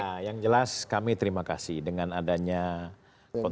nah yang jelas kami terima kasih dengan adanya kontroversi